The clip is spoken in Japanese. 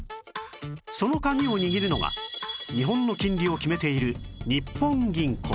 その鍵を握るのが日本の金利を決めている日本銀行